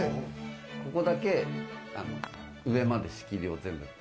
ここだけ上まで仕切りを全部。